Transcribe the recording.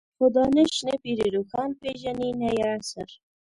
خو دانش نه پير روښان پېژني نه يې عصر.